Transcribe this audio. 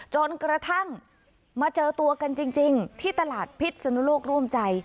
จนกระทั่งมาเจอตัวกันจริงที่ตลาดพิษนุโลกร่วมใจ